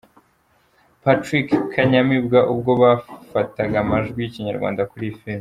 Patrick Kanyamibwa ubwo bafataga amajwi y'ikinyarwanda kuri iyi filimi.